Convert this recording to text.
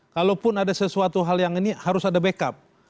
kalaupun ada sesuatu hal yang ini harus ada backup